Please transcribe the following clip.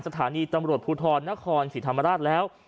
สถานีตำรวจภูทรนครศรีธรรมราชแล้ว